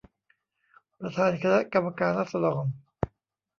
ประธานคณะกรรมการราษฎร